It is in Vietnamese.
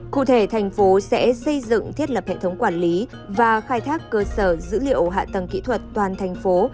cụ thể thành phố sẽ xây dựng thiết lập hệ thống quản lý và khai thác cơ sở dữ liệu hạ tầng kỹ thuật toàn thành phố